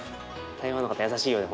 ．台湾の方優しいよね